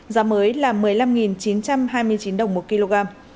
giá mới là một mươi năm chín trăm hai mươi chín đồng một kg